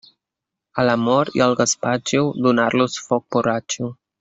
A l'amor i al gaspatxo, donar-los foc borratxo.